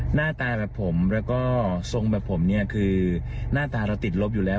หน้าตาแบบผมแล้วก็ทรงแบบผมเนี่ยคือหน้าตาเราติดลบอยู่แล้ว